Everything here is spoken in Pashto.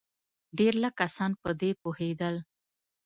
ډېر لږ کسان په دې پوهېدل.